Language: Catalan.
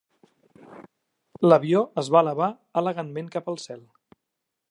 L'avió es va elevar elegantment cap al cel.